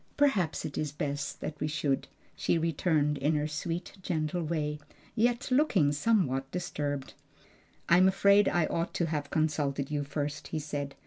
"Perhaps it is best we should," she returned, in her sweet, gentle way, yet looking somewhat disturbed. "I'm afraid I ought to have consulted you first," he said.